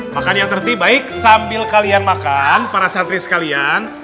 makan yang terbaik sambil kalian makan para santri sekalian